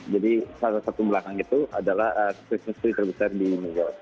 jadi salah satu belakang itu adalah christmas tree terbesar di new york